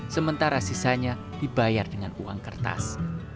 sementara sisanya dibayar dengan uang kertas